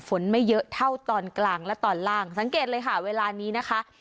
ฝนไม่เยอะเท่าตอนกลางและตอนล่างสังเกตเลยค่ะเวลานี้นะคะ